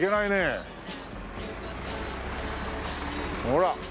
ほら。